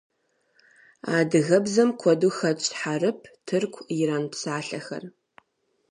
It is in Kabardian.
Адыгэбзэм куэду хэтщ хьэрып, тырку, иран псалъэхэр.